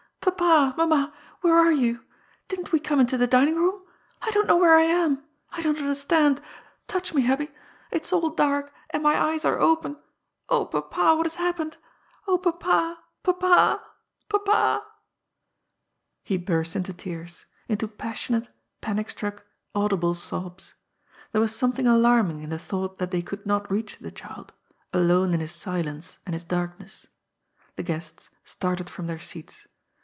Papa! mamma! where are you ? Didn't we come into the dining room ? I don't know where I am ! I don't understand ! Touch me, Hubby ! It's all dark, and my eyes are open ! Oh, papa ! what has happened ? Oh, papa, papa, papa 1 " He burst into tears — into passionate, panic struck, aud ible sobs. There was something alarming in the thought that they could not reach the child — alone in his silence and his darkness. The guests started from their seats.